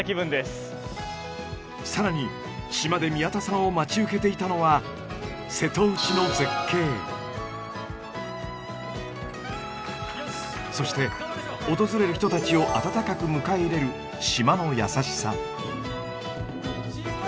更に島で宮田さんを待ち受けていたのはそして訪れる人たちを温かく迎え入れる島の優しさ。